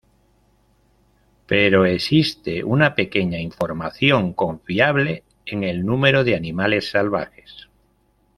Pero existe una pequeña información confiable en el número de animales salvajes.